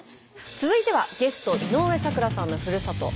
続いてはゲスト井上咲楽さんのふるさと